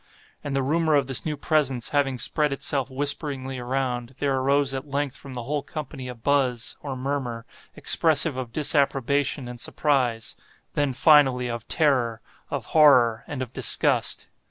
And the rumor of this new presence having spread itself whisperingly around, there arose at length from the whole company a buzz, or murmur, expressive of disapprobation and surprise—then, finally, of terror, of horror, and of disgust.